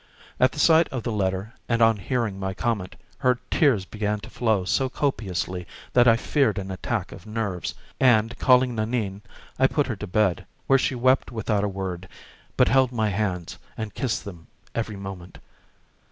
At the sight of the letter and on hearing my comment, her tears began to flow so copiously that I feared an attack of nerves, and, calling Nanine, I put her to bed, where she wept without a word, but held my hands and kissed them every moment.